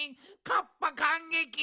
カッパかんげき！